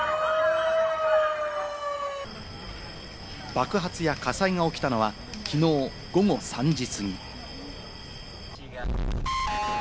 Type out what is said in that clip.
爆発や火災が起きたのはきのう午後３時過ぎ。